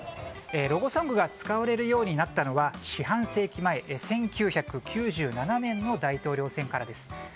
ロゴソングが使われるようになったのは四半世紀前１９９７年の大統領選からです。